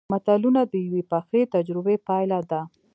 متلونه د یوې پخې تجربې پایله ده